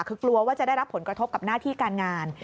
คือกลัวว่าจะได้รับผลกระทบกับหน้าที่การงาน